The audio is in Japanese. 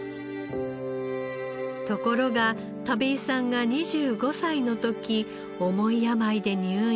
ところが田部井さんが２５歳の時重い病で入院。